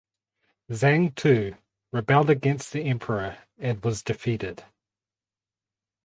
Zang Tu rebelled against the Emperor and was defeated.